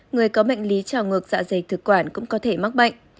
người có bệnh lý trào ngược dạ dày thực quản cũng có thể mắc bệnh